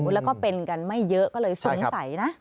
แล้วก็เป็นกันไม่เยอะก็เลยสงสัยนะ